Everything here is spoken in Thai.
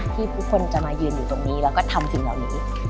ที่ทุกคนจะมายืนอยู่ตรงนี้แล้วก็ทำสิ่งเหล่านี้